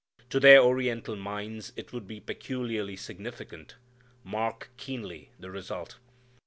To their Oriental minds it would be peculiarly significant, Mark keenly the result.